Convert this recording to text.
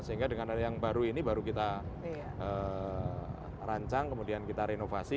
sehingga dengan ada yang baru ini baru kita rancang kemudian kita renovasi